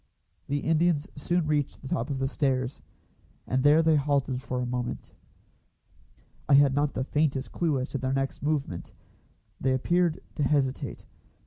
The Indians soon reached the top of the stairs, and there they halted for a moment. I had not the faintest clue as to their next movement. They appeared to hesitate.